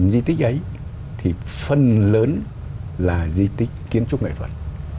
bốn mươi một di tích ấy thì phần lớn là di tích kiến trúc nghệ thuật